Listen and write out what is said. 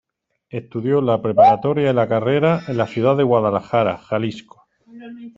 Estudió la preparatoria y la carrera en la ciudad de Guadalajara, Jalisco.